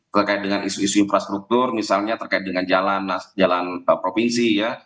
terkait dengan isu isu infrastruktur misalnya terkait dengan jalan provinsi ya